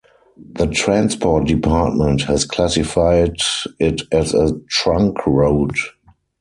The Transport Department has classified it as a trunk road.